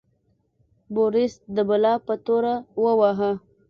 بوریس د بلا په توره وواهه.